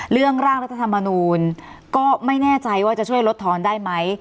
ร่างรัฐธรรมนูลก็ไม่แน่ใจว่าจะช่วยลดทอนได้ไหม